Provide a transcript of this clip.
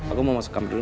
aku mau masuk kamar dulu